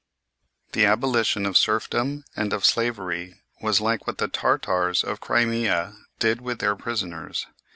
The abolition of serfdom and of slavery was like what the Tartars of the Crimea did with their prisoners.